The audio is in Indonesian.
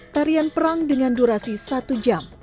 tarian perang dengan durasi satu jam